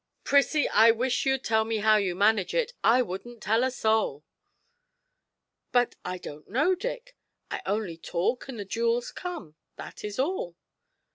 Prissie, I wish you'd tell me how you manage it, I wouldn't tell a soul.' 'But I don't know, Dick. I only talk and the jewels come that is all.'